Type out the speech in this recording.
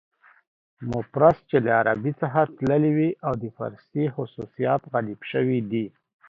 مفرس چې له عربي څخه تللي وي او د فارسي خصوصیات غالب شوي دي.